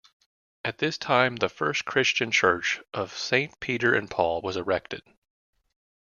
At this time the first Christian church of Saint Peter and Paul was erected.